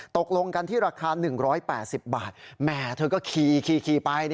ตกลงกันที่ราคา๑๘๐บาทแหมเธอก็ขี่ไป